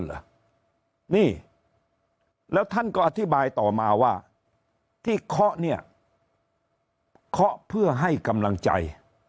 เหรอนี่แล้วท่านก็อธิบายต่อมาว่าที่เคาะเนี่ยเคาะเพื่อให้กำลังใจ